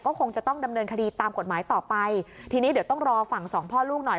คงจะต้องดำเนินคดีตามกฎหมายต่อไปทีนี้เดี๋ยวต้องรอฝั่งสองพ่อลูกหน่อย